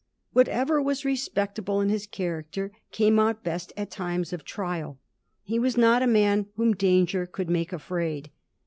Whatever was respect able in his character came out best at times of trial. He was not a man whom danger could make afraid.